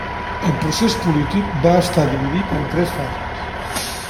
El procés polític va estar dividit en tres fases.